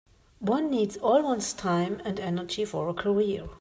One needs all one's time and energy for a career.